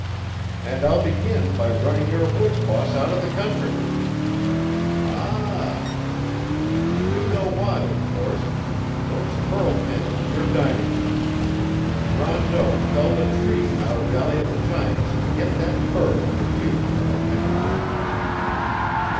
"And I'll begin by running your woods boss out of the country." "Ah h!" "You know why, of course those burl panels in your dining room. Rondeau felled a tree in our Valley of the Giants to get that burl for you, Colonel Pennington."